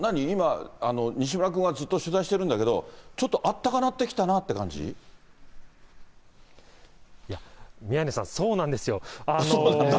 今、西村君はずっと取材してるんだけど、ちょっとあったかなってきたかなっていう感いや、宮根さん、そうなんですよ。